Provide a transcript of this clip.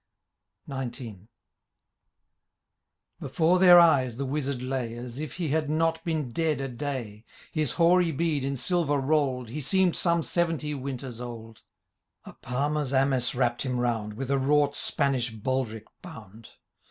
XIX. Before their eyes the Wizard lay. As if he had not been dead a day His hoaiy beard in silver rolled. He seemed some seventy winters old ; A palmer^s amice wrapped him round. With a wrought Spanish baldric bound.